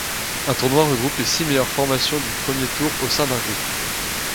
Un tournoi regroupe les six meilleures formations du premier tour au sein d'un groupe.